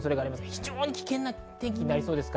非常に危険な天気になりそうです。